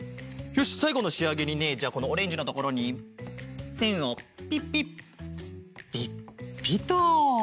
よしさいごのしあげにねじゃあこのオレンジのところにせんをピッピッピッピッと。